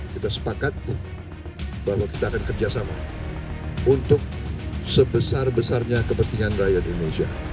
kita sepakat bahwa kita akan kerjasama untuk sebesar besarnya kepentingan rakyat indonesia